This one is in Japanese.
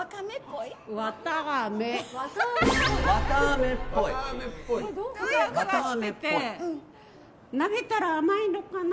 綿あめってなめたら甘いのかな。